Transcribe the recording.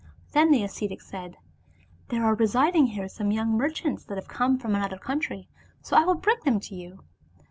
Then the ascetic said, "There are residing here some young merchants that have come from another country, so I will bring them to you."